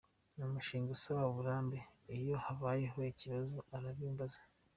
Ni umushinga usaba uburambe, iyo habayeho ikibazo urabibazwa.